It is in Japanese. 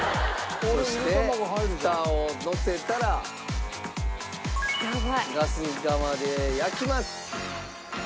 「そしてフタをのせたらガス釜で焼きます」